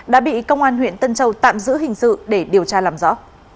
đã bị công an huyện tân châu tạm giữ hình sự để điều tra làm rõ